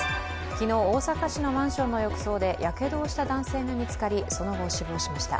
昨日、大阪市のマンションの浴槽でやけどをした男性が見つかり、その後、死亡しました。